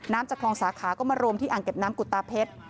จากคลองสาขาก็มารวมที่อ่างเก็บน้ำกุตาเพชร